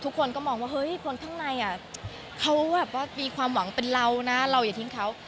ทุกคนก็มองว่าเฮ้ยคนข้างในเขาแบบว่ามีความหวังเป็นเรานะเราอย่าทิ้งเขา